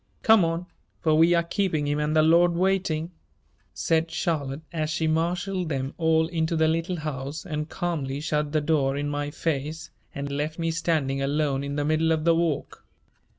Come on, for we are keeping him and the Lord waiting," said Charlotte as she marshaled them all into the Little House and calmly shut the door in my face and left me standing alone in the middle of the walk.